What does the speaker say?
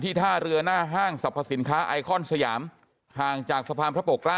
ท่าเรือหน้าห้างสรรพสินค้าไอคอนสยามห่างจากสะพานพระปกเกล้า